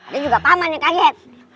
dan juga paman yang kaget